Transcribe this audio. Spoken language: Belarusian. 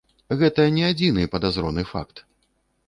Гэта не адзіны падазроны факт.